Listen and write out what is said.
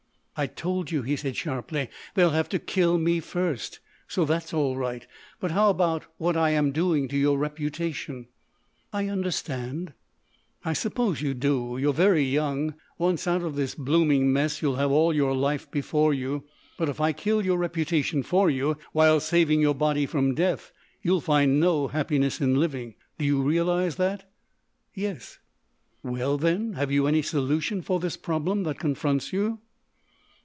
"I told you," he said sharply, "they'll have to kill me first. So that's all right. But how about what I am doing to your reputation?" "I understand." "I suppose you do. You're very young. Once out of this blooming mess, you will have all your life before you. But if I kill your reputation for you while saving your body from death, you'll find no happiness in living. Do you realise that?" "Yes." "Well, then? Have you any solution for this problem that confronts you?"